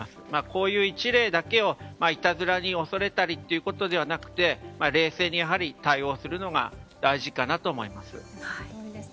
こういう一例だけをいたずらに恐れたりということではなくて冷静に対応するのが大事かなと思います。